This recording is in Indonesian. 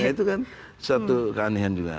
itu kan satu keanehan juga